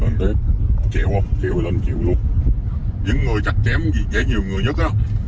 những người chắc chém gì dễ nhiều người nhất á